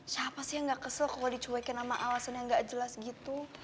siapa sih yang gak kesel kalau dicuekin sama alasan yang gak jelas gitu